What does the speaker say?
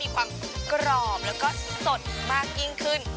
ความกรอบแล้วก็สดมากยิ่งขึ้น